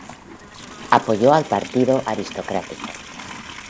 Apoyó al partido aristocrático.